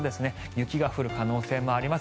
雪が降る可能性もあります。